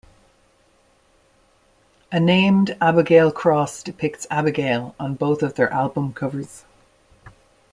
A named Abigail's Cross depicts Abigail on both of their album covers.